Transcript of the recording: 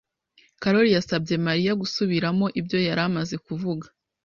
Karoli yasabye Mariya gusubiramo ibyo yari amaze kuvuga.